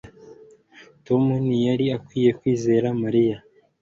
Tom ntiyari akwiye kwizera Mariya